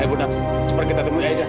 ayo bunda cepat kita temuin aida